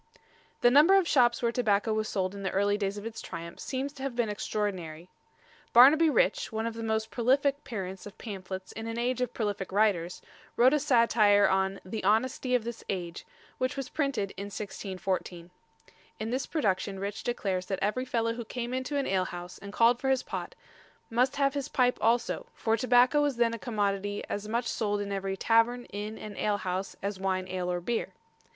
The number of shops where tobacco was sold in the early days of its triumph seems to have been extraordinary. Barnaby Rich, one of the most prolific parents of pamphlets in an age of prolific writers, wrote a satire on "The Honestie of this Age," which was printed in 1614. In this production Rich declares that every fellow who came into an ale house and called for his pot, must have his pipe also, for tobacco was then a commodity as much sold in every tavern, inn and ale house as wine, ale, or beer.